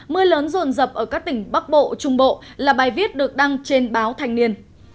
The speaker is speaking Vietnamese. mưa lớn rồn rập ở các tỉnh bắc bộ trung bộ là bài viết được đăng trên báo thành niên